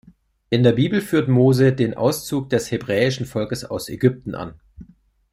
In der Bibel führt Mose den Auszug des hebräischen Volkes aus Ägypten an.